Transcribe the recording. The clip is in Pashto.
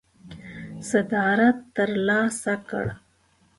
صدارت ترلاسه کړ.